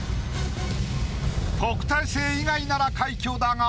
特待生以外なら快挙だが。